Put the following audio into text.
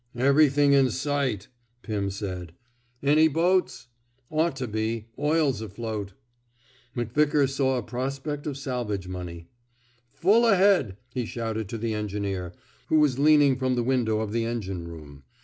^* Everything in sight,'* Pirn said. Any boatst *'Ought to be. Oil's afloaf McVickar saw a prospect of salvage money. Full ahead,'' he shouted to the engineer, who was leaning from the window of the engine room.